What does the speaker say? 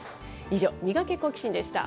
以上、ミガケ、好奇心！でした。